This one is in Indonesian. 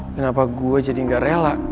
kenapa gue jadi gak rela